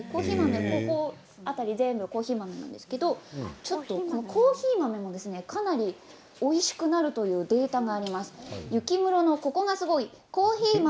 この辺り全部コーヒー豆なんですがかなりおいしくなるというデータがあります。